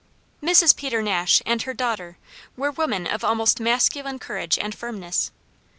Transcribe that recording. Mrs. Peter Nash and her daughter were women of almost masculine courage and firmness.